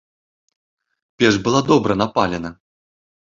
Печ была добра напалена.